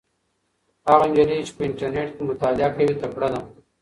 هغه نجلۍ چې په انټرنيټ کې مطالعه کوي تکړه ده.